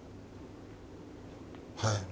はい。